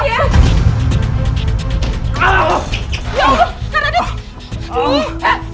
ya allah sarkadit